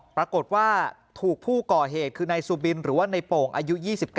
ปรากฏว่าถูกผู้ก่อเหตุคือนายซูบินหรือว่าในโป่งอายุ๒๙